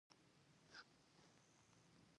ما دروازه په راځوړند ځنځیر وټکوله.